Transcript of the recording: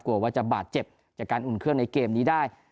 กลัวว่าจะบาดเจ็บจากการอุ่นเครื่องในเกมนี้ได้